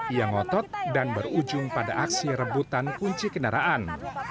ia ngotot dan berujung pada aksi rebutan kunci kendaraan